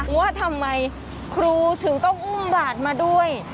เพราะว่าทำไมครูถึงก็อุ้มบาดมาด้วย